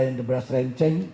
yang diberas renceng